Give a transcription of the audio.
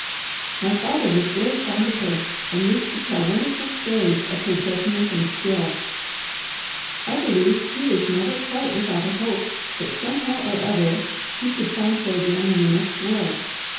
My father was very fond of her, and used to tell wonderful stories of her judgment and skill. I believe he was never quite without a hope that somehow or other he should find her again in the next world.